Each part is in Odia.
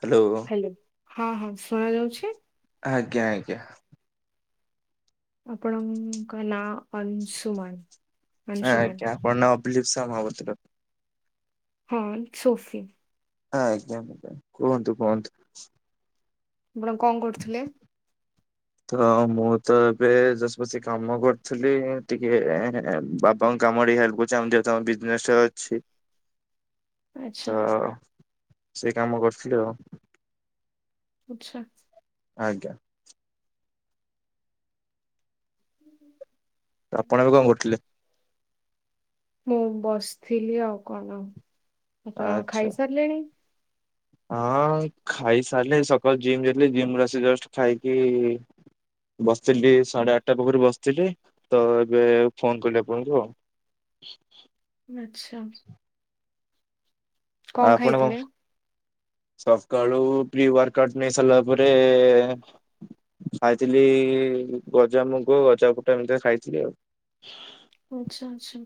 ହ୍ୟାଲୋ! ହଁ ହଁ ଶୁଣ ଯାଉଛି? ଆଜ୍ଞା ଆଜ୍ଞା। ଆପଣଙ୍କ ନାଁ ଅଂଶୁମନ ଅଂଶୁମନ। ଲିପ୍ସା ମହାପାତ୍ର। ହଁ ସୋଫି। ଆଜ୍ଞା ଆଜ୍ଞା, କୁହନ୍ତୁ କୁହନ୍ତୁ। ଆପଣ କଣ କରୁଥୁଲେ? ତ ମୁଁ ତ ଏବେ ଯଶପସି କାମ କରୁଥିଲି, ଟିକେ ବାବାଙ୍କ କାମ। ମୁଁ ଟିକେ ହେଲ୍ପ କରୁଛି। ଆମ ଯେହେତୁ ଆମ ବିଜନେସ୍ ଅଛି। ଆଚ୍ଛା ତ ସେ କାମ କରୁଥିଲି ଆଉ। ଆଛା। ଆଜ୍ଞା। ହୁଁ। ଆପଣ ଏବେ କଣ କରୁଥିଲେ? ମୁଁ ବସିଥିଲି ଆଉ କଣ, ଆପଣ ଆଚ୍ଛା ଖାଇସାରିଲେଣି। ହଁ ଖାଇ ସାରିଲେ ସକାଳୁ ଜିମ୍ ଯାଇଥିଲେ ଜିମରୁ ଆସି ଜଷ୍ଟ ଖାଇକି-ଇ ବସିଥିଲି ଟିକେ, ସାଢେ ଆଠଟା ପାଖରୁ ବସିଥିଲି ତ ଏବେ ଫୋନ୍ କଲି ଆପଣଙ୍କୁ ଆଉ। ଆଛା। କଣ ଖାଇଥିଲେ? ସକାଳୁ ପ୍ରି ୱାର୍କାଉଟ ନେଇ ସାରିଲା ପରେ ଖାଇଥିଲି ଗଜାମୁଗ, ଗଜାବୁଟ ଏମିତିଆ ଖାଇଥିଲି ଆଉ। ଆଛା ଆଛା।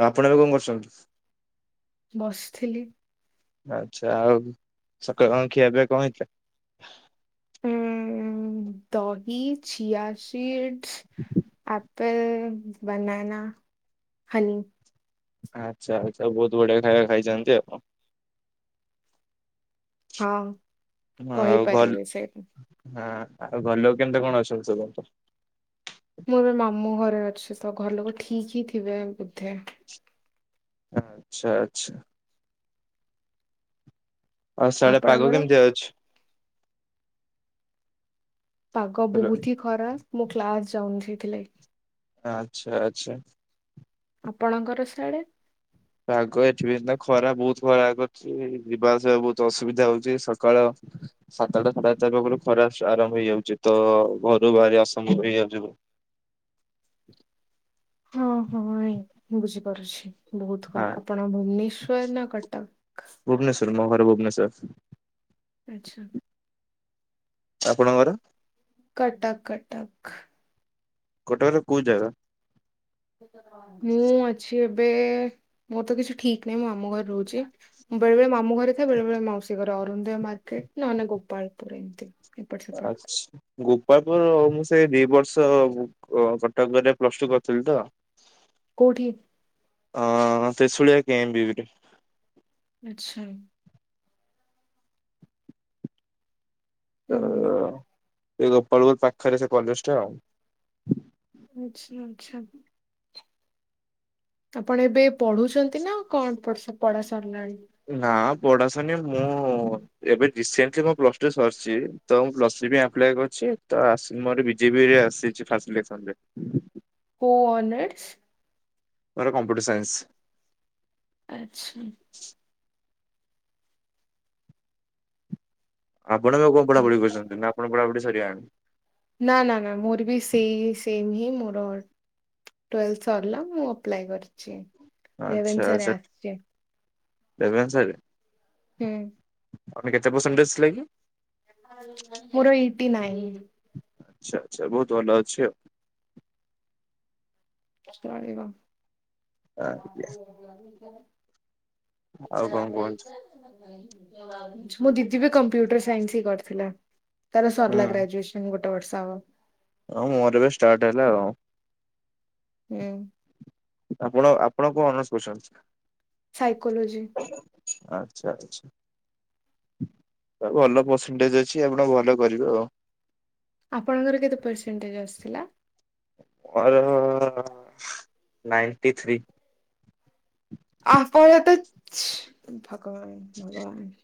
ଆଉ ଆପଣ ଏବେ କଣ କରୁଛନ୍ତି। ବସିଥିଲି। ଆଛା ଆଉ ସକାଳ କଣ ଖିଆପିଆ କଣ ହେଇଥିଲା? ଉ- ଦହି ଚିଆଶୀଡ୍, ଆପ ଆପେଲ, ବନାନା, ହନି। ଆଚ୍ଛା ଆଚ୍ଛା। ବହୁତ ବଢିଆ ଖାଇବା ଖାଇଛନ୍ତି ଆଉ। ହଁ। ହଁ ଆଉ ଭଲ କହିପାରିବି ସେଇଟା ହଁ। ଆଉ ଘରଲୋକ କେମତି କଣ ଅସନ୍ତି ସୁ ବୁୁନ୍ତ। ମୋର ଏ ମାମୁଁ ଘରେ ଅଛି। ତ ଘର ଲୋକ ଠିକ ହିଁ ଥିବେ ବୋଧେ ଆଛା ଆଚ୍ଛା। ଆଉ ସାଢେ ପାଗ ଆପଣଙ୍କର? କେମିତି ଅଛି! ପାଗ ହାଲୋ ବହୁତ ହି ଖରାପ। ମୁଁ କ୍ଲାସ ଯାଉନି ସେଇଥିଲାଗି। ଆଚ୍ଛା ଆଛା। ଆପଣଙ୍କର ସିଆଡେ ପାଗ ଏଠି ବି ଖରା ବହୁତ ଖରା କର ଅଛି ଯିବା ଆସିବା ବହୁତ ଅସୁବିଧା ହଉଛି ସକାଳ ସାତଟା ସାଢେ [unintelligible] ଆାତଟା ବେଳକୁ ଖରା ଆରମ୍ଭ ହେଇଯାଉଛି ତ ଘରୁ ବାହାରିବା ଅସମ୍ଭବ ହେଇଯାଉଛି। ହଁ ହଁ ଏଇ ମୁଁ ବୁଝିପାରୁଛି। ବହୁତ ହଁ ଖରା ଆପଣ ଭୁବନେଶ୍ଵର ନା କଟକ ଭୁବନେଶ୍ୱର ମୋ ଘର ଭୁବନେଶ୍ୱର ଆଚ୍ଛା। ଆପଣଙ୍କର କଟକ କଟକ କଟକ ର କୋଉ ଜାଗା ମୁଁ ଅଛି ଏବେ ମୋର ତ କିଛି ଠିକ ନାହିଁ ମୁଁ ମାମୁଁ ଘରେ ରହୁଛି, ବେଳେବେଳେ ମାମୁଁ ଘରେ ଏ ବେଳେ ବଳେ ମାଉସୀ ଘରେ ଅରୁନଦୟ ମାର୍କେଟ୍ [unintelligible] ନ ନେ ଗୋପାଳପୁର ଏମିତି ଏପଟ ସେପଟ ଆଛା ଗୋପଳ ମୋର ମୁଁ ସେଇ ଦି ବର୍ଷ କଟକରେ ପ୍ଲସ ଟୁ କରିଥିଲି ତ କୋଉଠି ହଁ ତ୍ରୀସୁଳିଆ କେଏମ୍ ବି ବି ଟି ଆଚ୍ଛା। ତ ହୁଁ। ଏ ଗୋପାଳପୁର ପାଖରେ ସେ କଲେଜ ଟା ଆଉ ଆଚ୍ଛା ଆଚ୍ଛା ଆପଣ ଏବେ ପଢୁଛନ୍ତି ନା କଣ ପଢା ସାରିଲାଣି। ନାଁ। ପଢା ଶରନୀ ମୁଁ ଏବେ ରିସେଣ୍ଟଲି ମୁ ପ୍ଲସ ଟୁ ସରିଛି ତ ମୁଁ ପ୍ଲସ ଥ୍ରୀ ଆପ୍ଲାଏ କରିଛି। ତ ମୋର ବିଜେପିରେ ଆସିଛି ଫାଷ୍ଟ ସିଲେକ୍ସନ ରେ କୋଉ ଅନର୍ସ ମୋର କମ୍ପ୍ୟୁଟର ସାଇନ୍ସ ଆଚ୍ଛା। ଆପଣ ଆ କଣ ପଢା ପଢି କରଛନ୍ତି ନା ଆପଣ ପଢା ପଢି ସରି ଗଲାଣି। ନାଁ ନାଁ ନାଁ ମୋର ବି ସେଇ ସେମ୍ ହିଁ ମୋର ଟ୍ୱେଲ୍ଭ ସରିଲା ମୁଁ ଆପ୍ଲାଏ କରିଛି ରେଭେନ୍ସା ରେ ଆସିଛି। ରେଭେନ୍ସା ରେ ହୁଁ। [unintelligible] ଆପ କେତେ ପରସେଣ୍ଟେ ଥିଲା କି ମୋର ଏଇଟି ନାଇନ୍ ଆଛା ଆଛା ବହୁତ ଭଲ ଅଛି। ଚାଲିବ ଆଜ୍ଞା [unintelligible] ଆଉ ଇ କଣ ଆଇ କୁହନ୍ତୁ? [unintelligible] [unintelligible] ମୁଁ ଦିଦି ବି କମ୍ପ୍ୟୁଟର ସାଇନ୍ସ ହି କରିଥିଲା ତାର ହୁଁ ସରିଲା ଗ୍ରାଜୁଏସନ ଗୋଟେ ଏବେ ବର୍ଷା ହବ। ହଁ, ମୋର ଏବେ ଷ୍ଟାର୍ଟ ହେଲା ଆଉ। ହୁଁ। ଆପଣ ଆପଣ କଣ ଅନର୍ସ କରିଛନ୍ତି? ସାଇକୋଲୋଜି ଆଚ୍ଛା, ଆଚ୍ଛା। ଭଲ ପରସେଣ୍ଟେଜ ଅଛି। ଆପଣ ଭଲ କରିବେ ଆଉ। ଆପଣଙ୍କର କେତେ ପରସେଣ୍ଟେଜ୍ ଆସିଥିଲା? ମୋର ନାଇଣ୍ଟି ଥ୍ରୀ ଆପଣ ତ ଭଗବାନ, ଭଗବାନ।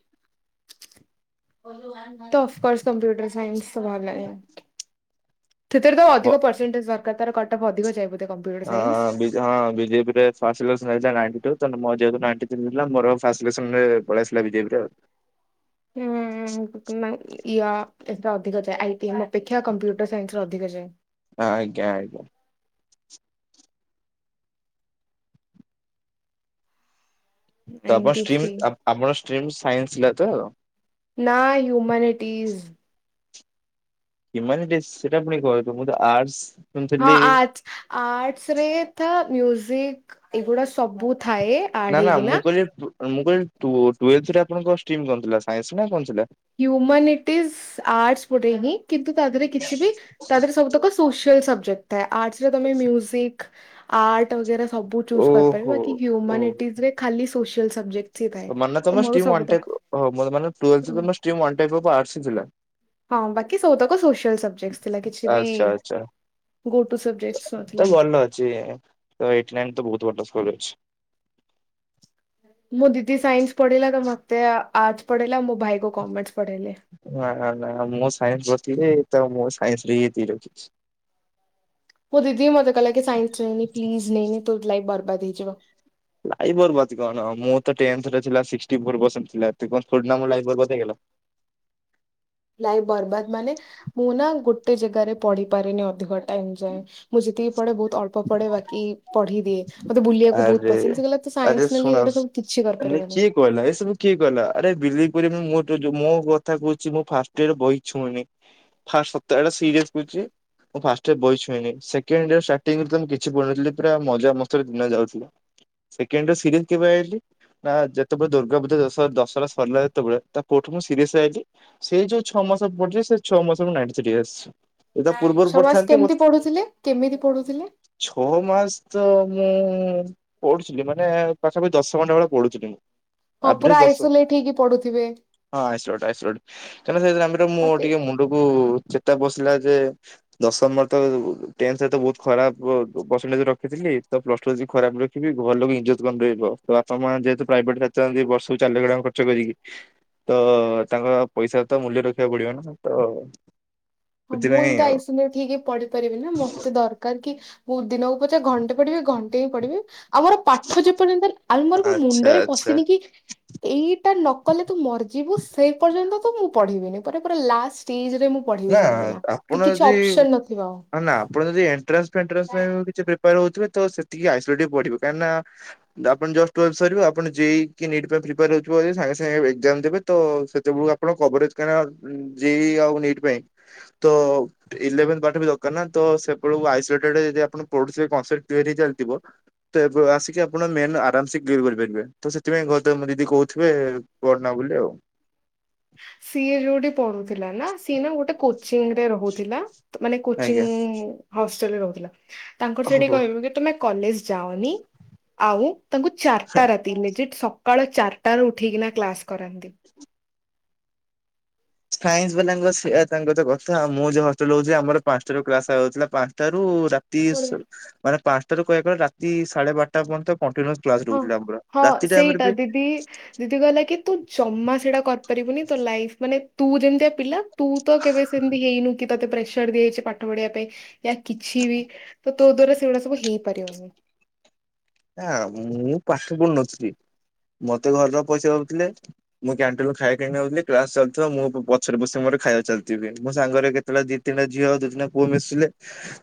ତ ଅଫକୋର୍ସ କମ୍ପ୍ୟୁଟର ସାଇନ୍ସ ଭଲ ଲାଗେନି। ସେଥିରେ ତ ହଁ ଅଧିକ ପରସେଣ୍ଟେଜ ଦରକାର। ତାର କଟ୍ଅଫ୍ ଅଧିକ ଯାଏ ବୋଲି। ହଁ ହଁ ବିଜେପିରେ ଫାର୍ଷ୍ଟ ସିଲେକସନ ଯାଇଇଥିଲା, ନାଇଣ୍ଟି ଟୁ। ମୋର ଯେହେତୁ ନାଇଣ୍ଟି ଥ୍ରି ଥିଲା, ମୋର ଫାର୍ଷ୍ଟ ସିଲେକସନରେ ପଳେଇ ଆସିଲା ବିଜେବିରେ। ହୁଁ। [unintelligible] ୟା, ଏଟା ଅଧିକ ଯାଏ ଆଇ ଟି ଏମ ଅପେକ୍ଷା କମ୍ପ୍ୟୁଟର ସାଇନ୍ସର ଅଧିକ ଯାଏ। ଆଜ୍ଞା ଆଜ୍ଞା। ତ ଆପଣ ନାଇଣ୍ଟି ଷ୍ଟ୍ରିମ୍ ଥ୍ରୀ ଆ ଆପଣ ଷ୍ଟ୍ରିମ୍‌ ସାଇନ୍ସ ଥିଲା ତ? ନା ହ୍ୟୁମାନିଟିଜ। ହ୍ୟୁମାନିଟିଜ୍ ସେଟା ପୁଣି କଣ ହେଇଥିବ ମୁଁ ତ ଆର୍ଟସ। ହଁ, ଶୁଣିଥିଲି ଆର୍ଟସ। ଆର୍ଟସ ରେ ଥା ମ୍ୟୁଜିକ ଏଗୁଡା ସବୁ। ଥାଏ ଆଡ ନା, ନା। ମୁଁ ହେଇକିନା କହିଲି ଟୁ ମୁଁ କହିଲି, ଟୁ ଟ୍ୱେଲଥ୍‌ ରେ ଆପଣଙ୍କ ଷ୍ଟ୍ରିମ୍ କଣ ଥିଲା? ସାଇନ୍ସ ନା କଣ ଥିଲା? ହ୍ୟୁମାନିଟିଜ୍‌ ଆର୍ଟସ ଗୋଟେ ହିଁ। କିନ୍ତୁ ତା ଦେହରେ କିଛି ବି, ତା ଦେହରେ ସବୁତକ କୃସିଆଲ ସବଜେକ୍ଟ ଥାଏ। ଆର୍ଟସ ରେ ତମେ ମ୍ୟୁଜିକ୍, ଆର୍ଟ ବଗେରା ସବୁ ଚୁଜ୍ କରିପାରିବ। ଓହୋ ବାକି ଓ ହ୍ୟୁମାନିଟିଜ୍‌ ରେ ଖାଲି ସୋସିଆଲ୍ ସବଜେକ୍ଟ। ହିଁ ଥାଏ ମାନେ, ତ ତମ ମୋର ଷ୍ଟ୍ରିମ୍‌ ୱାନ୍ ସବୁତକ ଟାଇଫ ଅ ମା ମାନେ, ଟ୍ଵେଲଥ୍‌ରେ ଉଁ, ତମ stream one type of arts ହିଁ ଥିଲା। ହଁ, ବାକି ସବୁତକ ସୋସିଆଲ ସବଜେକ୍ଟ ଥିଲା କିଛି ବି। ଆଚ୍ଛା ଆଚ୍ଛା ଗୋ ଟୁ ସବଜେକ୍ଟ ତ ନଥିଲା ଭଲ ଅଛି ତ ଏଇଟିନାଇନ ତ ବହୁତ ଭଲ। ଭଲ ଅଛି। ମୋ ଦିଦି ସାାଇନ୍ସ ପଢିଲା, ତ ମତେ ଆର୍ଟସ ପଢେଇଲା ମୋ ଭାଇ କୁ କମର୍ସ ପଢେଇଲେ ନା, ନା, ନା, ମୁଁ ସାଇନ୍ସ ପଢ଼ଥିଲି। ତ, ମୁଁ ସାଇନ୍ସରେ ଏଇ ଏତିକି ରଖିଛି। ମୋ ଦିଦି ବି ମତେ କହିଲା କି ସାଇନ୍ସ ନେନି ପ୍ଲିଜ ନେନି ତୋ ଲାଇଫ ବର୍ବାଦ ହେଇଯିବ। ଲାଇଫ ବର୍ବାଦ କଣ? ମୋର ତ ଟେନ୍ଥ ରେ ଥିଲା ସିକ୍ସଟି ଫୋର ପରସେଣ୍ଟ ଥିଲା। ତେବେ ଥୋଡ଼ିନା ମୋ ଲାଇଫ ବର୍ବାଦ ହେଇଗଲା। [inaudible] ଲାଇଫ ବର୍ବାଦ ମାନେ, ମୁଁ ନା ଗୋଟେ ଜାଗାରେ ପଢ଼ି ପାରେନି, ଅଧିକ ଟାଇମ ଯାଏ। ମୁଁ ଯେତିକି ପଢ଼େ ବହୁତ ଅଳ୍ପ ପଢ଼େ ବାକି ପଢ଼ି ଦିଏ। ମତେ ବୁଲିବାକୁ ବହୁତ ଆରେ ପସନ୍ଦ ସେ କହିଲା, ତୁ ଆରେ ସାଇନ୍ସ ନେଲେ ଶୁଣ ଏଗୁଡା ସବୁ କିଛି ମାନେ କରିପାରିବନି। କିଏ କହିଲା? ଏସବୁ କିଏ କହିଲା? ଆରେ, ବିଲିଭ୍ କରିବନି ମୋର ତ ଯଉ ମୋ କଥା କହୁଛି ମୁଁ ଫାର୍ଷ୍ଟ ୟିଅରରେ ବହି ଛୁଇଁନି ଫାର୍ଷ୍ଟ ସତ ଏଇଟା ସିରିୟସ୍ କହୁଛି। ମୁଁ ଫାର୍ଷ୍ଟ ଇୟର ବହି ଛୁଇଁନି ସେ କେଣ୍ଡ ଇୟର ଷ୍ଟାର୍ଟିଂରେ ତ ମୁ କିଛି ପଢୁନଥିଲି ପୁରା ମଜାମସ୍ତି ରେ ଦିନ ଯାଉଥିଲା। ସେକେଣ୍ଡ ଇୟର ସିରିଏସ କେବେ ଆଇଲି। ନା, ଯେତେବେଳେ ଦୁର୍ଗା ପୂଜା ଦଶହ ଦଶହରା ସରିଲା, ଯେତେବେଳେ ତା ପରଠୁ ମୁଁ ସିରିଏସ ଆଇଲି ସେଇ ଯୋଉ ଛ ମାସ ପଢିଛି ସେ ଛଅ ମୁଁ ସବୁ ନାଇଣ୍ଟି ଥ୍ରୀ ଆସିଛି। ଏ ତା ପୂର୍ବରୁ ଛଅ ମାସ ପଢିଥାନ୍ତି କେମିତି ମତେ ପଢୁଥିଲେ? କେମିତି ପଢୁଥିଲେ? ଛଅ ମାସ ତ ମୁଁ ପଢ଼ୁଥିଲି ମାନେ ପାଖାପାଖି ଦଶ ଘଣ୍ଟା ଭଳିଆ ପଢ଼ୁଥିଲି ମୁଁ। ହଁ ଆଭରେଜ ପୁରା ଦଶ ଆଇସୋଲେଟ ହେଇକି ପଢ଼ୁଥି ହଁ ଆଇସୋଲେଟ୍‌ ଆଇସୋଲେଟ୍ କାରଣ ସେ ଯେତେବେଳେ ଆମର ମୁଁ ମତେ ଟିକେ ମୁଣ୍ଡକୁ ଚେତା ପଶ ଥିଲା ଯେ ଦଶମରେ ତ ଟେନ୍ଥ ରେ ତ ବହୁତ ଖରାପ ପ-ପ-ପରସେଣ୍ଟେଜ୍ ରଖିଥିଲି। ତ, ପ୍ଲସ ଟୁ ରେ ଯଦି ଖରାପ ରଖିବି, ଘର ଲୋକ ଇଜ୍ଜତ କଣ ଦେବ। ତ ଆପଣମାନେ ଯେହେତୁ ପ୍ରାଇଭେଟ ରେ ଏତେ ଦିଅନ୍ତି ବର୍ଷକୁ ଚାରି ଲକ୍ଷ ଟଙ୍କା ଖର୍ଚ୍ଚ କରିକି। ତ ତାଙ୍କର ପଇସା ତ ମୂଲ୍ୟ ରଖିବାକୁ ପଡିବ ନା ତ। ହଁ ମୁଁ ସେଥିପାଇଁ ଏମିତି ଆଉ। ଆଇସୋଲେଟ ହେଇକି ପଢି ପାରିବିନି ନା ମତେ ଦରକାର କି। ମୁଁ ଦିନକୁ ପଛେ ଘଣ୍ଟେ ପଢିବି ଘଣ୍ଟେ ହିଁ ପଢିବି। ଆଉ ମୋର ପାଠ ଯେ ପର୍ଯ୍ୟନ୍ତ ଆଲମାରି କୁ ଆଚ୍ଛା ମୁଣ୍ଡରେ ଆଚ୍ଛା ପଶିନି କି। ଏଇଟା ନ କଲେ ତୁ ମରିଯିବୁ ସେଇ ପର୍ଯ୍ୟନ୍ତ। ତ ମୁଁ ପଢ଼ିବିନି ପରେ ପୁରା ଲାଷ୍ଟ ଶ୍ଟେଜ ରେ ମୁଁ ପଢିବି ସେ ଆ-ଆପଣ ଯଦି ଆରେ ନା ଆପଣ ଯଦି ଏଣ୍ଟ୍ରାନ୍ସ ଫେଣ୍ଟ୍ରାନ୍ସ ପାଇଁ କିଛି ପ୍ରି ପ୍ୟାର୍ ହଉଥିବେ ତ ସେତିକି ଆଇସୋଲେଟ୍ ହେଇ ପଢିବେ କାହିଁକି ନା ଆପଣ ଯଷ୍ଟ ଟ୍ୱେଲଭ୍ଥ ସରିବ ଆପଣ ଜେ ଇ କି ନୀଟ ପାଇଁ ପ୍ରିପେୟାର ହେଉଥିବ ଯଦି ସାଙ୍ଗେ ସାଙ୍ଗେ ଏକ୍ଜାମ ଦେବେ ତ ସେତେବେଳୁ ଆପଣ କଭରେଜ କାହିଁ ନା ଉଁ ଜେ ଇ ଆଉ ନିଟ ପାଇଁ ତ ଇଲଭେନ୍ଥ ପାଠ ବି ଦରକାର ନା ତ ସେବେଳକୁ ଆଈଶୋଲେଟେଡ ହେଇକି ଯଦି ଆପଣ ପଢୁଥିବେ କ କଂସ୍ପେଟ ଥିଓରୀ ଚାଲିଥିବ ତେବେ ଆସିକି ଆପଣ ମେନ୍ ଆରାମ ସେ କ୍ଲିୟର କରିପାରିବେ ତ ସେଥିପାଇଁ ଘରେ ତମ ଦିଦି କହୁଥିବେ କରନା ବୋଲି ଆଉ। ସିଏ ଯୋଉଠି ପଢୁଥିଲା ନା ସିଏ ନା ଗୋଟେ କୋଚିଂରେ ରହୁଥିଲା। ମାନେ କୋଚିଂ ଆଜ୍ଞା। ହଷ୍ଟେଲରେ ରହୁଥିଲା। ତାଙ୍କର ସେଠିକେ ଓହୋ। କହିବ କି ତମେ କଲେଜ ଯାଅନି। ଆଉ ତାଙ୍କୁ ଚାରିଟା ରାତି ନୁହେଁ। ସକାଳ ଚାରିଟା ରୁ ଉଠିକିନା କ୍ଲାସ କରାନ୍ତି। ସାଇନ୍ସ ବାଲାଙ୍କ ସେ ତାଙ୍କ ତ କଥାଉ ମୁଁ ଯୋଉ ହଷ୍ଟେଲ ହଉଛି ଆମର ପାଞ୍ଚଟା ରୁ କ୍ଲାସଥିଲା ପାଞ୍ଚଟା ରୁ ରାତି ରାତି ମାନେ ପାଞ୍ଚଟାାରୁୁ କହିବାକୁ ରାତି ସାଢେ ବାରଟା ପର୍ଯ୍ୟନ୍ତ। କ୍ଲାସ୍ ହଁ ରହୁଥିଲା ଆମର। ହଁ ରାତି ଟାଇମରେ ସେଇଟା ବି ଦିଦି ଦିଦି କହିଲା କି ତୁ ଜମା ସେଇଟା କରିପାରିବୁନି ତୋ ଲାଇଫ ମାନେ ତୁ ଯେମିତିଆ ପିଲା ତୁ ତ କେବେ ସେମିତି ହେଇନୁ କି ତତେ ପ୍ରେସର ଦିଆଯାଇଛି ପାଠ ପଢିବା ପାଇଁ। ୟ କିଛି ବି ତ ତୋ ଦ୍ଵାରା ସେଗୁଡା ସବୁ ହେଇପାରିବନି। ନା ମୁଁ ପାଠ ପଢ଼ୁ ନଥିଲି। ମତେ ଘର ପଇସା ଦଉଥିଲେ ମୁଁ କ୍ୟାଣ୍ଟିନୁ ଖାଇବାକଣି ନେଉଥିଲି କ୍ଲାସ ଚାଲିଥିବ ମୁଁ ପଛରେ ବସି ମୋର ଖାଇବା ଚାଲିଥିବ ମୋ ସାଙ୍ଗରେ କେତେଟା ଦି ତିନିଟା ଝିଅ ଦି ଦଟା ପୁଅ ମିଶିଲ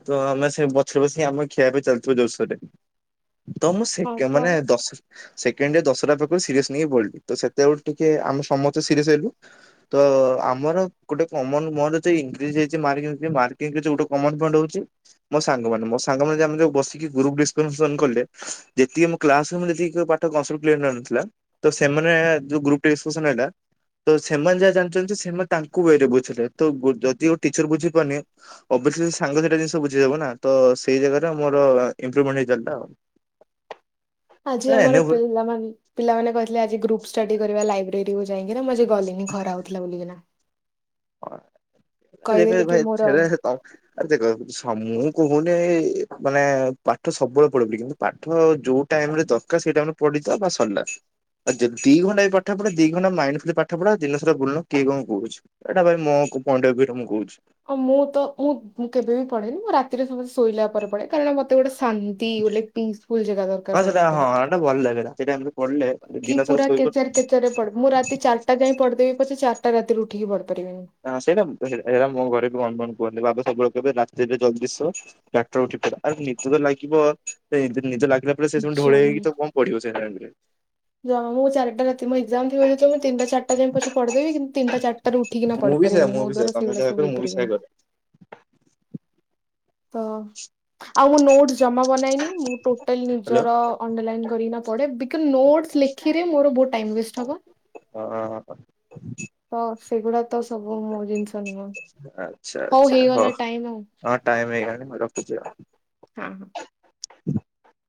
ତ ଆମେ ସେ ପଛରେ ବରେ ଆମେ ଖିଆ ପାଇଁ ଚାଲିଥିବ ଜୋରସୋରରେ ତ ମୁଁ ସେ ହଁ ତ ମାନେ ଦଶ ସେକେଣ୍ଡ ରେ ଦଶଟା ପାଖରୁ ସିରିଏସ ନେଇକି ପଡିଲି ତ ସେତେବେଳେୁ ଟିକେ ଆମେ ସମସ୍ତେ ସିରିୟସ ହେଲୁ ତ ଆମର ଗୋଟେ କମନ୍ ମୋରଇଟ [unintelligible] ମୋ ସାଙ୍ଗମାନେ ମୋ ସାଙ୍ଗମାନେ ଯଉ ବସିକି ଗ୍ରୁପ୍ ଡିସ୍କସନ କଲେ ଯେତିକି ମୁଁ କ୍ଲାସ ରକି ପାଠନଥିଲା ତ ସେମାନେ ଗ୍ରୁପ୍ ଟା ଟା। ତ ସେମାନେ ଯାହା ଜାଣିଛନ୍ତି ସେମାନେ ତାଙ୍କ ଭରେ ବୁଝିଲେ ତ ଯଦି ଟିଚର ବୁଝିପାରୁନି [unintelligible] ବ ସାଙ୍ଗସଥିା ଜିନିଷ ବୁଝିବ ନା ତ ସେଇ ଜାଗାରେ ମୋର ଇମ୍ପୁର୍ଭମେଣ୍ଟ ହେଇାଯାଆନ୍ତା [unintelligible] ଆଜି ଆମର ପିଲା ପିଲାମାନେ କହିଥିଲେ ଆ ଗ୍ରୁପ ଷ୍ଟଡି କରିବା ଲାଇବ୍ରେରୀ କୁ [unintelligible] ଯାଇକି ନା ମୁଁ ଗଲିଣିି ଖରା ହଉଥିଲା ବୁଲିକିନା। ହଁ ଖ କି ଭାଇ ମୋର ଛଖ ସମୁଖ [unintelligible] କହୁନି ମାନେ ପାଠ ସବୁବେଳେ ପଢିବ ବୋଲି କିନ୍ତୁ ପାଠ ଯୋଉ ଟାଇମ ରେ ଦରକାର ସେଇ ଟାଇମ ପ [unintelligible] ବାସ ସରିଲା। ଆ ଦି ଘଣ୍ଟା ଏ ପ ପାଠ ପଢା ଦି ଘଣ୍ଟ ମାଇଣ୍ଡ ଫ୍ର ପାଠ ପଢା ଜିନିଷ ବୁଲୁ କିଏ କଣ କହୁଛି [unintelligible] ଏଇଟା ଭାଇ ମୋ ପଏଣ୍ଡ ବିର ମୁଁ କହୁଛି। ଓ ମୁଁ ତ ମୁଁ ମୁଁ କେବେ ବି ପଢେନି ମୋ ରାତିରେ ସମସ୍ତେ ଶୋଇଲା ପରେ ପଢେ କାରଣ ମତେ ଗୋଟେ [unintelligible] ଶାନ୍ତି ଗୋଟେ ପିସଫୁଲ ଜାଗା ହଁ ଦରକାର ସେଟା ପଢେଇିବା ହଁ ପାଇଁ [unintelligible] ଏଟା ଭଲ ଲାଗେ ରାତି ଟାଇମରେ ପଢିଲେ କି ଦିନସାରା ପୁରା ଶୋଇବ କେଚର କେଚ ରେ ପଡ ମୁଁ ରାତି ଚାରିଟା ଯାଇଁ ପଡିଦେବି ପଛେ ଚାରିଟା ରାତିରେ ଉଠିକି ପଡିବ। ନା ସେଇଟା ସେଇଟା ମୋ ଘରେ ବି [unintelligible] କୁହ ବା ସବୁବେଳେ କେ ରାତିରେ ଜଲ୍ଦି ଡାକ୍ତର ଉଠି ପ ଆ ନିଜ ତ ଲାଗିବ ନିଜ ଲ [unintelligible] ସେ ସେମିତି ଜମି ଢଳେଇଇକି ତ କମ ପଡିବ ସେ ଟାଇମ ରେ। ଜମା ମୁଁଚାରିଟା ରାତି ମୋ ଏକ୍ସାମ ଥିବ ଯେତେ ବେଳେ ତ ମୁଁ ତିନଟ ଚାରିଟା ପଦେ କିନ୍ତୁ ତିନଟା ଚାରଟା ରେ ଉଠିକିନା ମୁଁ ପଡି ବି ସେୟା ପାରିବିନି ମୁଁ ମୋ ବି ସେୟା ଦ୍ଵାର ତମେ ସେଇଭଳିଆ ଯାହା ସବୁ କର ମୁଁ ବି ସେୟା ହେଇପାରିବନି। କରେ ତ ଆଉ ମୁଁ ନୋଟ୍ସ ଜମା ବନାଏନି ମୁଁ ଟୋଟାଲ ହ୍ୟାଲୋ। ନିଜର ଅଣ୍ଡରଲାଇନ କରିକିନା ପଢେ ବିକଜ ନୋଟ୍ସ। ଲେଖିରେ ମୋର ବହୁତ୍ ଟାଇମ ୱେଷ୍ଟ ହବ। ହଁ ତ ସେଗୁଡା ତ ସବୁ ମୋ ଜିନିଷ ନୁହେଁ। ଆଚ୍ଛା ଆଚ୍ଛା, ହଉ ହଁ ଟାଇମ ହେଇଗଲାଣି ମୁଁ ରଖୁଛି। ଆଉ। ହଁ ହଁ। [inaudible]